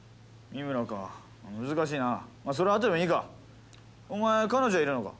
三村か難しいなそれはあとでもいいかお前彼女いるのか？